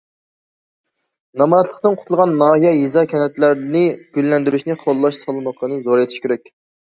نامراتلىقتىن قۇتۇلغان ناھىيە، يېزا- كەنتلەرنى گۈللەندۈرۈشنى قوللاش سالمىقىنى زورايتىش كېرەك.